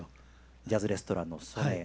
ジャズレストランのＳＯＮＥ。